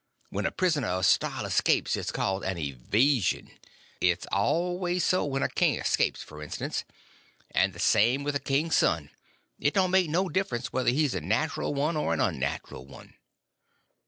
When a prisoner of style escapes it's called an evasion. It's always called so when a king escapes, f'rinstance. And the same with a king's son; it don't make no difference whether he's a natural one or an unnatural one."